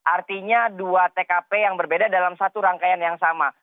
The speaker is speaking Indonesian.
artinya dua tkp yang berbeda dalam satu rangkaian yang sama